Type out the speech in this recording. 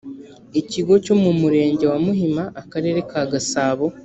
icyigo cyo mu murenge wa muhima akarere ka gasabo